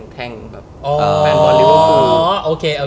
ทางแบบแฟนบอลลิเวอร์คูอล